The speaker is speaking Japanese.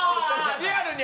リアルに？